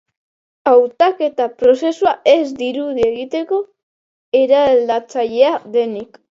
Hautaketa prozesua ez dirudi egiteko eraldatzailea denik.